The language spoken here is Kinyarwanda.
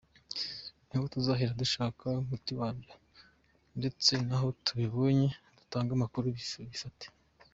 Niho tuzahera dushaka umuti wabyo ndetse naho tubibonye dutange amakuru bifatwe.